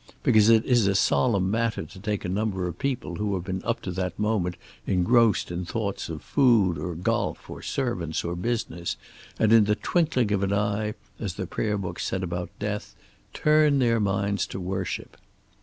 Because it is a solemn matter to take a number of people who have been up to that moment engrossed in thoughts of food or golf or servants or business, and in the twinkling of an eye, as the prayer book said about death, turn their minds to worship.